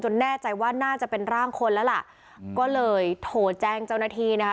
แน่ใจว่าน่าจะเป็นร่างคนแล้วล่ะก็เลยโทรแจ้งเจ้าหน้าที่นะคะ